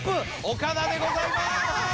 岡田でございます。